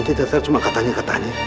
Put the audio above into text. ente terserah cuma katanya katanya